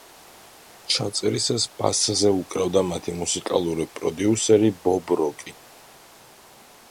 ჩაწერისას ბასზე უკრავდა მათი მუსიკალური პროდიუსერი ბობ როკი.